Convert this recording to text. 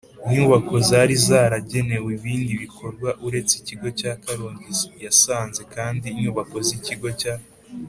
nyubako zari zaragenewe ibindi bikorwa uretse Ikigo cya Karongi Yasanze kandi inyubako z Ikigo cya